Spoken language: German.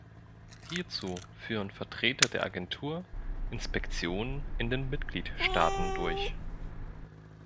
Hierzu führen Vertreter der Agentur Inspektionen in den Mitgliedstaaten durch.